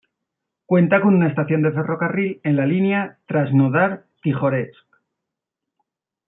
Cuenta con una estación de ferrocarril en la línea Krasnodar-Tijoretsk.